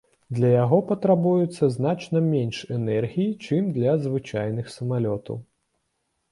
Для яго патрабуецца значна менш энергіі, чым для звычайных самалётаў.